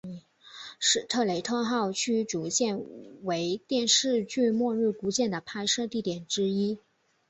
史特雷特号驱逐舰为电视剧末日孤舰的拍摄地点之一